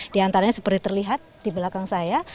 di antaranya seperti terlihat di belakang saya